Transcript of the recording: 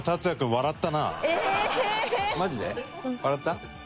笑った？